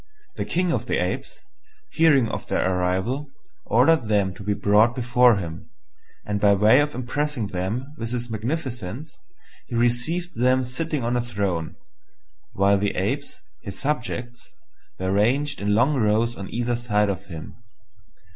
The King of the Apes, hearing of their arrival, ordered them to be brought before him; and by way of impressing them with his magnificence, he received them sitting on a throne, while the Apes, his subjects, were ranged in long rows on either side of him.